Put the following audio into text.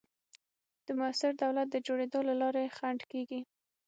د موثر دولت د جوړېدو د لارې خنډ کېږي.